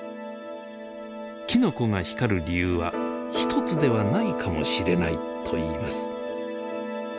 きのこが光る理由は一つではないかもしれないといいます。